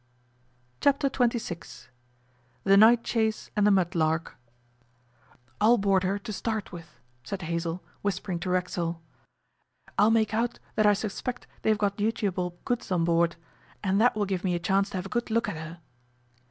Chapter Twenty Six THE NIGHT CHASE AND THE MUDLARK 'I'LL board her to start with,' said Hazell, whispering to Racksole. 'I'll make out that I suspect they've got dutiable goods on board, and that will give me a chance to have a good look at her.